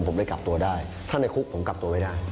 ผมเลยกลับตัวได้ถ้าในคุกผมกลับตัวไม่ได้